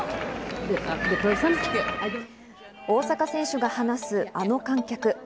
大坂選手が話すあの観客。